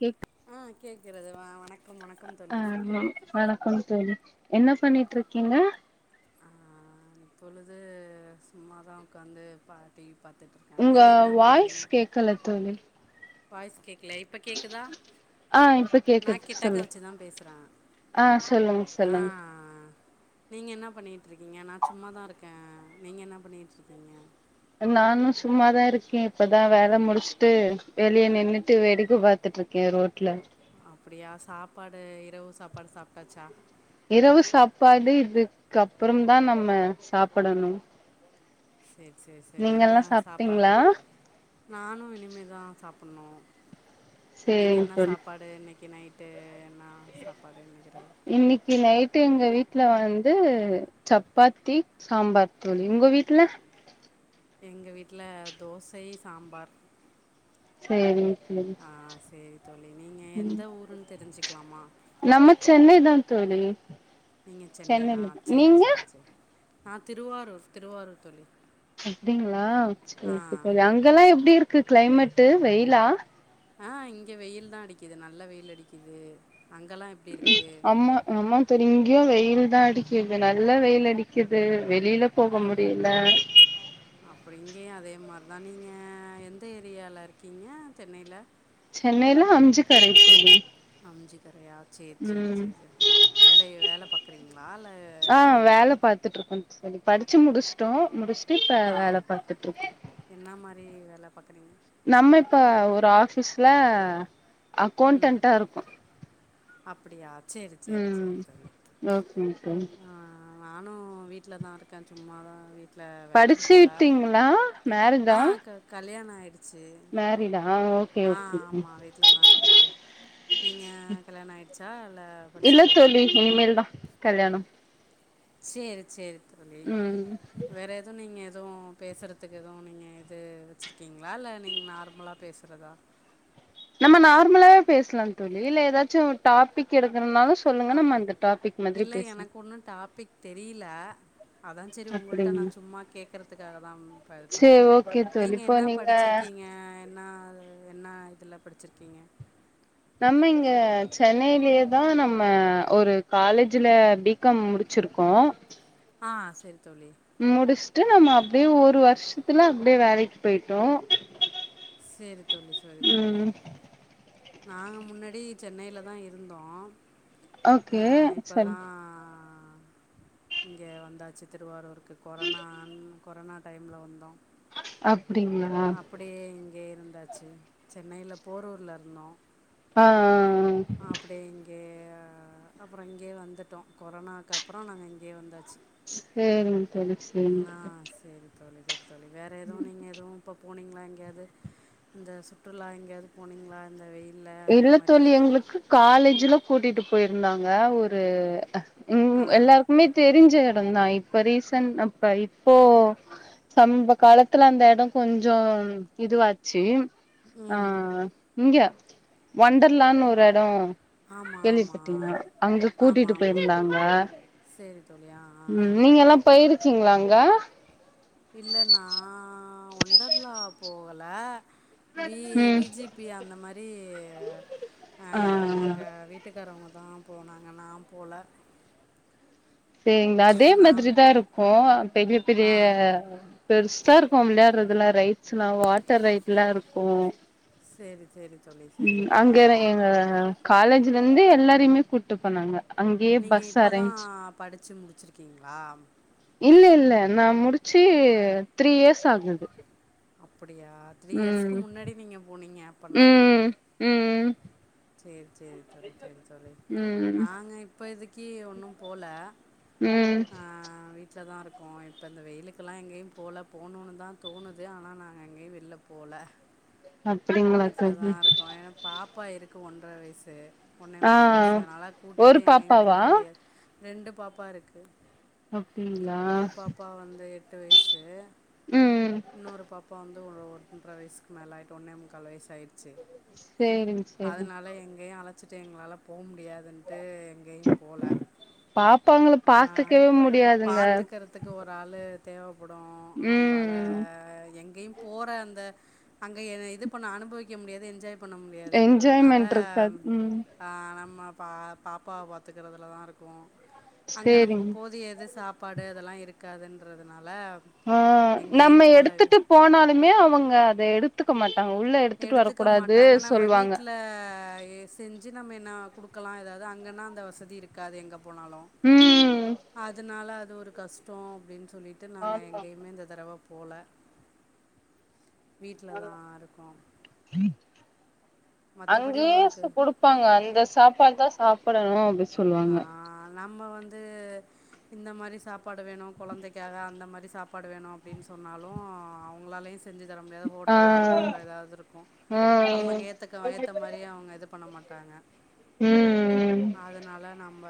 cake ஆஹ் கேக்கிறதுடா வணக்கம் வணக்கம் ஆ தோழி வணக்கம் தோழி என்ன பண்ணிட்டு இருக்கீங்க ஆ இப்பொழுது சும்மாதா உட்காந்து பாட்டி உங்க வாய்ஸ் கேக்கல தோழி வாய்ஸ் கேக் ல இப்ப கேக்குதா ஆ இப்ப நா கேக்குது கிட்டக்க சொல்லு வேச்சுதா பேசற ஆ சொல்லுங்க சொல்லுங்க ஆஹ் நீங்க என்ன பண்ணிட்டு இருக்கீங்க நா சும்மாதா இருக்க நீங்க என்ன பண்ணிட்டு இருக்கீங்க நானு சும்மாதா இருக்கே இப்பதா வேலை முடிச்சுட்டு வெளிய நின்னுட்டு வேடிக்க பாத்துட்டு இருக்கே ரோட்ல அப்டியா சாப்பாடு இரவு சாப்பாடு சாப்ட்டாச்சா இரவு சாப்பாடு இதுக்கு அப்புறம்தா நம்ம சாப்பிடணு செரி செரி செரி என்ன சாப்பாடு சாப்ட்டீங்களா நானு இனிமேதா சாப் பண்ணு நீங்க சேரிங்க என்ன தோழி சாப்பாடு இன்னைக் க்கு நைட்டு என்ன சாப்பாடு இன்றைக்கி இரவு இன்னைக்கு நைட்டு எங்க வீட் வீட்ல வந்து சப்பாத்தி சாம்பார் தோழி உங்க வீட்ல எங்க வீட்ல தோசை சாம்பார் செரி ஆ செரி தோழி நீங்க ம் எந்த ஊருன்னு தெரிஞ்சுக் லாமா நம்ம சென்னைதா தோழி நீங்க சென்னையா சென்னைல தா செரி நீங்க செரி செரி நா திருவாரூர் திருவாரூர் தோழி அப்டிங்களா ஆ செரி அங்கல்லா எப்டி இருக்கு கிளைமேட்டு் வெயிலா ஆ இங்க வெயில் தா அடிக்கிது நல்ல வெயில் அடிக்கிது அம்மா அம்மா தெரியு இங்கியு வெயில் தா அடிக்கிது நல்ல வெயில் அடிக்கிது வெளியில போக முடியில அப்டிங்கே அதே மாரி தா நீங்க எந்த ஏரியால இருக்கீங்க சென்னையில சென்னைல அம்ஞிக்கரை தோழி அம்சி கரையா செரி செரி ம் செரி செரி வேலைய வேல பாக்க கிரீங்க ஆ வேலபாத்துட்டு இருக்கோம் தோழி படிச்சு முடிச்சுடோ முடிச் இப்ப ஆ வேல பாத்துட்டுருக் பாக்கறீங்க நம்ம இப்ப ஒரு ஆபீஸ்ல அக்கௌண்டன்டா இருக்கோ அப்டியா ம் ஓகே ஓகே நானு வீட்டுல தா இருக்கே சும்மாதா வீட் படிச்சு விட்டீங்களா மேறிட்டா செ ஆ ஓகே ஆமா வீட்டல தா இருக்கே நீங்க கல்யாண ஆயிருச்சா இல்ல படிச்சி இல்ல தோழி முடிச்சி இனிமேல் தா கல்யாணம் செரி செரி ம் எதுவு பேசுறதுக்கு எதுவு நீங்க இது வச்சிருக்கீங்களா இல்ல நீங்க நார்மலா பேசறதா நம்ம நார்மலாவே பேசலா தோழி இல்ல ஏதாச்சு டாபிக் எடுக்கனுனாலு அப்டி இல்ல எனக்கு ஒண்ணு டாபிக் தெரியல அதா செரி உங்கள்ட்ட நா அப்டிங்களா சும்மா கேக் கறதுக்காக தா அப்ப இது பண்ண சேரி ஓகே தோழி நீங்க இப்போ என்ன படிச்சிருக்கீங்க என்ன என்ன இதல படிச்சிருக்கீங்க நம்ம இங்க சென்னையிலயேதா நம்ம ஒரு காலேஜ்ல பி காம் முடிச்சிருக்கோ ஆ செரி தோழி ட்டு நம்ம அப்டியே ஒரு வருஷத்துல அப்டியே வேலக்கு பேய்ட்டோ செரி தோழி செரி தோழி நாங்க முன்னாடி சென்னைல தா இருந்தோ ஓகே செரி ஆ இங்க வந்தாச்சு திருவாரூர்க் கொரோனான் கொரானா டைல்ல வந்தோ அப் அப்டியே இங்கே இருந் தாச்சு சென்னையில போரூர்ல இருந்தோ ஆ ஆ ஆ ஆ அப்டியே இங்கே அ அப்புறோ இங்கயே வந்துட்டோ கொரோனாக்கு அப்புறோ நாங்க இங்கேயே வந்தாச்சு சேரிங்க தெளிச்சி ஆ [unintelligible] சரி தோழி சரி தோழி வேற ஏதுவு நீங்க எதுவு இப்ப போனீங்களா எங்கயாது இந்த சுற்றுலா எங்கயாது போனீங்களா இந்த வெயில் இல்ல தோழி எங்களுக்கு காலேஜ்ல கூட்டிட்டு போய்ருந்தாங்க ஒரு ஆ ம் எல்லாருக்குமே தெரிஞ்ச அப்பந் தா இப்ப ரீசன் அப்ப இப்போ சம்ப காலத்துல அந்த இடோ கொஞ்சோ இதுவாச்சு ஆ ம் இங்க வண்டர்லான்னு ஒரு எடோ ஆமாம் ஆமாம் கேள்விப்பட்டீங்களா அங்க ஆமாம் கூட்டிட்டு ஆமாம் பேய்ருந்தாங்க சரி தோழி ஆ ஆ ஆ ம் நீங்கல்லா பேய்ரு வச்சீங்ளா அங்க இல்லன்னா ஒண்டர்லா போகல வி ம் விஜிபி அந்த மாரி அ ஆ எங்க வீட்டுக் காரவங்க தா போனாங்க நா போல சேரிங்ளா அதே மாதிரி தா இருக்கு பெரிய பெரிய ஆ பெருசு தா இருக்கு விளையாடுறது அதெல்லா ரைட்ஸ்ல்லா வாட்டர் ரைட்ல்லா இருக்கு சேரி சேரி தோழி சேரி தோழி ஆ ஆ ஆ காலேஜ்லருந்து எல்லாரையுமே கூட்டு போனாங்க அங்கேயே நீங்க பஸ் இப்பதா அரேஞ்ச் படிச்சு முடி ச்சிருக்கீங்களா இல்ல இல்ல நா முடிச்சி த்ரீ இயர்ஸ் ஆகுது அப்படியா த்ரீ இயர்ஸ்க்கு ம் முன்னடி நீங்க போனீங்க அப்பன்னா ம் ம் சேரி சேரி தோழி சேரி தோழி ம் நாங்க இப்ப இதுக்கு கீ ஒன்னு போல ம் க்கோ இப்ப இந்த வெயிலுக்கெல்லா எங்கயு போல போகணுன்னு தா தோணுது ஆனா நாங்க எங்கையு வெளில போல அப்டிங்களா வீட்டுலதா தோழி இருக்கோ ஏன்னா பாப்பா இருக் க்கு ஒன்ற வயசு ஒன்னே ஆ முங்கால் வயசு அதனால ஒரு கூட்டிட்டு எங்கையு போ பாப்பாவா முடியாது ரெண்டு பாப்பா இருக்கு அப் டிங்களா ட்டு வயசு இன்னோறு பாப்பா வந் தொ ஒரு ஒன்ற வயசுக்கு மேல ஆயிட்டு ஒன்னே முக்கால் வயசாயிட் சேரிங்க செரி வச்சுட்டு எங்களால போ முடி முடியாதுன்ட்டு எங்கையு போல பாப்பாங்கள ஆ பாத்துக்கவே முடியாதுங்க பாத்துக்கறதுக்கு ஒரு ஆளு தேவப் ம் கியு போற அந்த அங்க இது பண்ண அனுபவிக்க முடியாது என்ஜாய் பண்ண முடியாதுன்றதுனால என்ஜாய்மெண்ட் இருக்காது ம் ஆ நம்ம பா பாப்பாவ பாத்துக்கறதுல தா இருக்கு அங்க நமக்கு சேரிங் போதிய எது சாப்பாடு அதெல்லா இருக்காதுன்றதுனா ஆ நம்ம எடுத்துட்டு போனாலுமே அவங்க அத எடுத் த்துக்கமாட் எடுத்துக்க மாட்டாங்க நம்ம வீட்டுல எ செஞ்சு நம்ம எ ன்னா குடுக்கலா எதாவது அங்கன்னா அந்த வசதி இருக்காது எங்கப் போனாலு ம் அதனால அத து ஒரு கஷ்டோ அப்டின்னு சொல் சொல்லிட்டு நாங்க ஆமா எங்கேயுமே இந்த தடவைப் போல வீட்டுலதா இருக்கோ அங்கேயே ஸ் குடுப்பாங்க அந்த சாப் ப்பாத சாப்படனு அப்பி சொல்லுவாங்க தூ இந்த மாரி சாப்பாடு வேணு கொழந்தைக்காக அந்த மாரி சாப்பாடு வேணு அப்டின்னு சொன்னாலு அவங்களாளயு செய் செஞ்சு தர முடியாது ஆ ஹோட்டலா இருக்கு இல்லை ஏதாவது இருக்கு ஆ நமக்கு ஏத்தக்க ஏத்த மாரியே அவங்க இது பண்ண மாட் தாங்க ம் அதனால நம்ம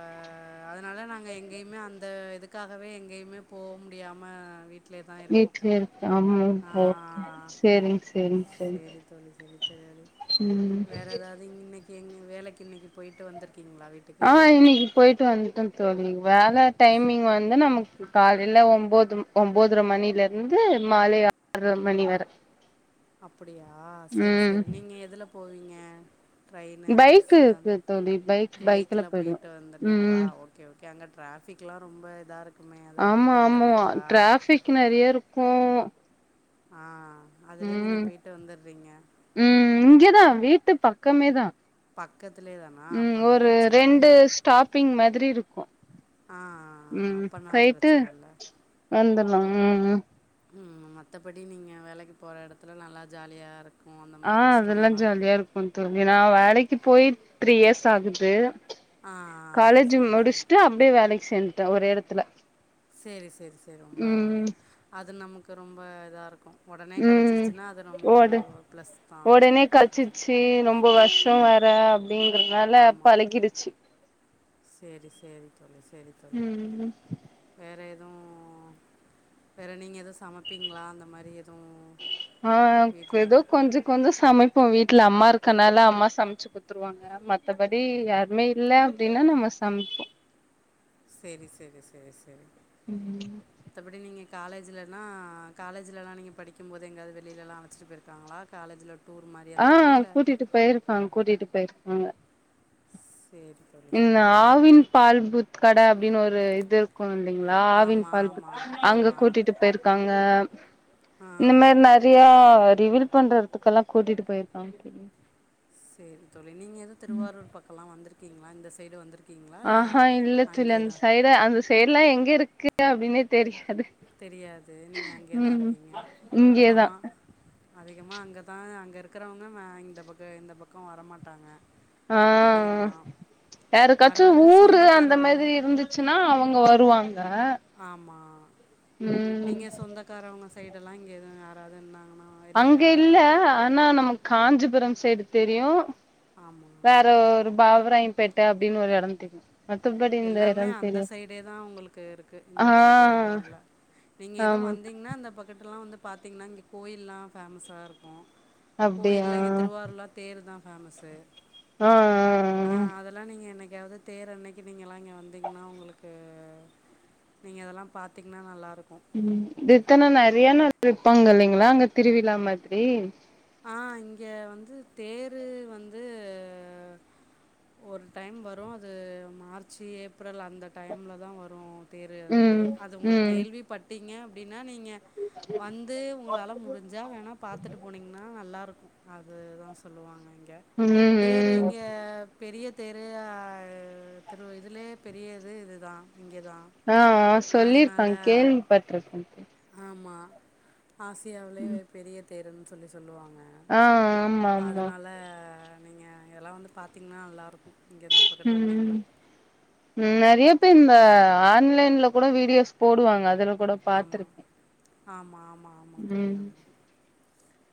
அதனால தா நாங்க எங்கேயுமே அந்த இதுக் க்காகவே எங்கேயுமே போ முடியாம வீட் வீட்லயே இருக்க ஆமா ஓக்கே ஆ, செரிங்க செரிங்க செரி சரி தோழி சரி தோழி உம் வேற ஏதாவது இன்னைக்கு எங்க வேலைக்கின்னைக்கு போயிட்டு வந்துரு குக்கீங்களா வீட்டுக்கு ஆ இன்னைக்கு போயிட்டு வந்துட்டோம் தோழி வேல டைமிங் வந்து நமக்கு காலையில ஒம்போது ஒம்பதர மணில இருந்து மாலை ஆற்ர மணி வர அப்பிடியா சேரி ம் சேரி நீங்க எதுல போவீங்க உம் ட்ரெயினு பைக் பஸ்ஸு அந் இருக்கு தோழி பைக் பைக்ல போயிடுவே போயிட்டு வந்துட்றீங்களா ம் ஓக்கே ஓக்கே அங்க ட்ராஃபிக்லா ரொம்ப இதா இருக் ஆமா ஆமா வ டிராஃபிக் நெறைய இருக்கு ஆ அதுலயே நீங்க உம் போயிட்டு வந்துடுறீங்க உம் இங்கேதா வீட் ட்டு பக்கமே தா பக்கத்துலயே தானா உம் அப்பன்னா ஒரு பிரச்சன ரெண்டு கெடையாது ஸ்டாப்பிங் மாதிரி இருக்கு ஆ உம் அப்பன்னா போயிட்டு பிரச்சன இல்ல வந்துர்லா உம் ம் மத்தபடி நீங்க வேலக்கு போற எடத்துல நல்லா ஜாலியா இருக் ஆ அதெல்லா ஜாலியா இருக்கு தோழி நா வேலைக் க்கு போய் த்ரீ இயர்ஸ் ஆகுது ஆ காலேஜ் சரி சரி முடிச்சிட்டு அப்டியே வேலைக்கு சேர்ந்து ட ஒரே எடத்துல சரி சரி சரி ரொம்ப ம் அது நமக் கு ரொம்ப இதா இருக்கு உம் ஓடு ப்ளஸ் தான் ஒடனே கழச்சிச்சு ரொம்ப வர்ஷொ ம் வேற அப்படிங்கிறதுனாலப் பழகிடுச்சு சேரி சேரி செரி தோழி ம் வேற எது துவு வேற நீங்க எதுவ் சமப்பீங்களா அந்த மாரி எத் ஆஹ் கெதோ கொஞ்ச கொஞ்சொ சமைப் ப்போ வீட்டுல அம்மா இருக்கனால அம்மா சமச்சு குடுத்துருவாங்க மத்தபடி யாருமே இல்ல அப்டின்னா நம்ம சமப்போ செரி செரி செரி செரி உம் காலேஜ்லன்னா காலேஜ்லலா நீங்க படிக்கும் போது எங்காது வெளியிலெல்லா அழச்சிட்டு பேயிருக்காங்களா காலேஜ்ல ஆஹ் கூட்டிட்டு போயிருக்காங் கூட்டிட்டு போயிரு ஆங்க சரி தோழி இந்த சரி தோழி ஆவின் பால் பூத் கட அப்டின்னு ஒரு இது இருக்கு பாத்தீங்லா ஆவின் ஆமாம் பால் பூத் ஆமாம் அங்க ஆமாம் கூட்டிட்டு போய்ற்காங்க ஆ இந்த மாரி நெறய டிவில் பண்ற எடத்துக்கெல்லா கூட்டிட்டு போயிருக்காங்க தோழி சரி தோழி நீங்க எது திருவாரூர் பக்கல்லா வந்துருக் கீங்ளா இந்த சைடு வந்துரு ஆஹா இல்ல தோழி அந்த சைடு அந்த சைடுல்லா எங்க இருக்கு கு அப்டினே தெரியாது தெரியாது நீங்கள் அங்கே தான் உம் இங்யேதா அதிகமா அங்கதா அங்க இருக்கிறவங்க மே இந்த பக்க இந்த பக்கொ வரமாட்டாங்க ஆஹ் அதிகமாக யாருக்காச்சு யாராவது ஊரு அந்த சொந்தக்காரவங்க மாதிரி இருந்துச்சுன்னா அவங்க வருவாங் ஆமா ம் நீங்க சொந்தக்காரவங்க சைடெல்லா இங்கே எது யாராவது இருந்தா அங்க இல்ல ஆனா நமக் காஞ்சிபுரம் சைடு தெரியு ஆமாம் வேற ஒரு பாவ் ப்பராயம்பேட்ட அப்டின்னு ஒரு எடந் தெரியு மத்தபடி இந்த எல்லாமே எடம் அந்த தெரியு சைடேதா உங்களுக்கு இருக்கு ஆ இந்த பக்கட்டு யாரு இல்ல நீங்க எதோ ஆமா வந்தீங்ன்னா இந்த பக்கட்டுல்லா வந்து பாத்திங்ன்னா இங்கே கோயில்லா ஃபேமஸ்ஸா இருக்கு அப்டியா கோயில்ல இங்க திருவாரூர்லா தேரு தா ஃபேமஸ்ஸு அ அ ஆ எங்கையாவது தேரண்னைக்கு நீங்கெல்லா இங்க வந்தீங்ன்னா உங்களுக்கு நீங்க இதெல்லாம் பாத்தீங்ன்னா நல்லா இருக் ம் தித்தன நெறைய நாள் இருப்பாங்க இல்லைங்களா அங்க திருவிழா மாதிரி ஆ இங்கே வந்து தேரு வந்து ஒரு டைம் வரோ அது மார்ச்சு ஏப்ரல் அந்த டைம்ல தா வரோ தேரு அது மாரி ம் அது உங்களுக் ம் கேள்விபட் டீங்க அப்டின் னா நீங்க வந்து உங்களால முடிஞ்சா வேணா பாத்துட்டு போனீங்க நல்லா இருக்கோ அதுதா சொல்லுவாங்க இங் க ம் தேரு ம் இங்க பெரிய தெரு அ திரு இதுலே பெரிய இது இது தா ஆ ஆ சொல்லிருக்க கேள்விப்பட்ருக்க ஆன்டி ஆமா ஆசியாவிலே பெரிய தேருன் சொல்லி சொல்லுவாங் ஆ ஆமா ஆமா நீங்க இதெல்லா வந்து பாத்தீங்னா நல்லா இருக்கோ இங்க இந்த பக்கத்துல ம் வந்தீங்கனா ம் நெறைய இந்த ஆன்லைன்ல கூட வீடியோஸ் போடுவாங்க அதுல கூட பாத்துருக்க ஆமா ஆமா ம்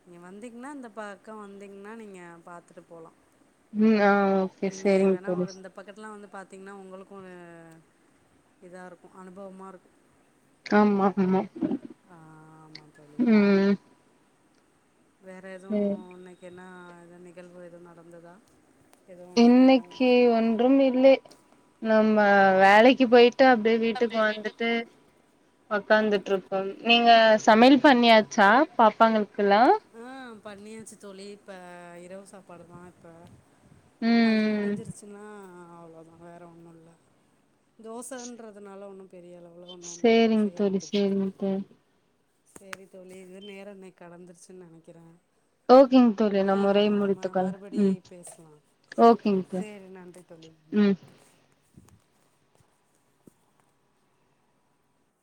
நீங்க வந்தீங்ன்னா இந்த பக்கோ வந்தீங்ன்னா நீங்க பாத்துட்டு போலா ம் ஆ ஓகே சேரிங் தோழி பாத்தீங்னா உங்களுக்கு அ இதா இருக்கு அனுபவமா இருக்கோ ஆமா ஆமா ஆமாம் தோழி ம் வேற எதுவு ம் இன்னைக்கு என்னா வேற நிகழ்வு எதுவு நடந்ததா எதுவும் இன்னைக்கு எதுவும் இன்னிக்கு ஒன்றும் இல்லை நம் வ வேலைக்கு போய்ட் ட்டு அப்டியே வீட்டுக்கு வந்துட்டு ஒக்காந்துட்டுருக்கோ நீங்க சமையல் பண்ணியாச்சா பாப்பாங்களுக்கெல்லா ஆ பண்ணியாச்சு தோழி இப்ப இரவு சாப்பாடுதா இப்ப அது ம் முடிஞ்சிருச்சுன்னா அவ்ளோதா வேற ஒன்னு இல்ல தோசன்றதுனால ஒண்ணு பெரிய அளவு சேரிங் தோழி சேரிங் தோழி சேரி தோழி இதோ நேரோ இன்னைக்கு கடந்துருச்சுன்னு நெனைக்கிற ஓகேங் தோழி நம் உரையை முடித்துக்கொள்லா மறுபடி ம் பேசலாம் ஓகேங் தோழி சரி நன்றி தோழி ம்